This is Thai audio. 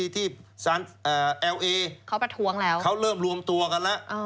เขาประทวงแล้วเขาเริ่มรวมตัวกันแล้ว